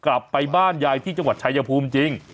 กลับไปบ้านยายที่จังหวัดชายภูมิจริง